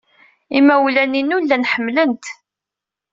Imawlan-inu llan ḥemmlen-t.